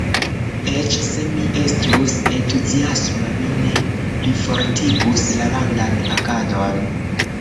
Eĉ se mi estus entuziasma, mi ne plifortigus la landan agadon.